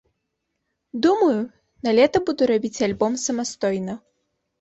Думаю, налета буду рабіць альбом самастойна.